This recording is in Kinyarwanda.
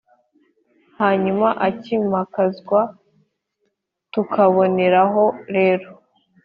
hanyuma akimakazwa, tukaboneraho rero